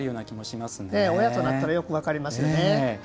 親となったらよく分かりますね。